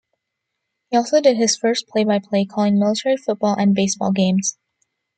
He also did his first play-by-play, calling military football and baseball games.